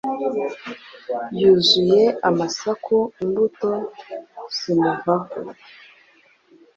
yuzuye amasuka, imbuto zimuvaho